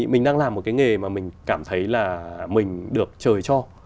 mình đang làm một cái nghề mà mình cảm thấy là mình được trời cho